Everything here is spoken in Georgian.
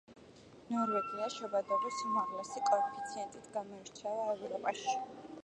ნორვეგია შობადობის უმაღლესი კოეფიციენტით გამოირჩევა ევროპაში.